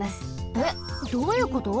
えっ？どういうこと？